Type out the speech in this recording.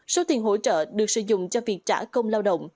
số tiền hỗ trợ được sử dụng cho việc trả công lao động